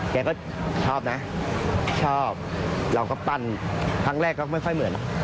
แกก็ชอบนะชอบเราก็ปั้นครั้งแรกก็ไม่ค่อยเหมือน